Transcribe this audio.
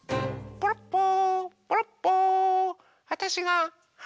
ポロッポー。